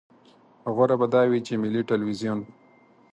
غوره به دا وي چې ملي ټلویزیون.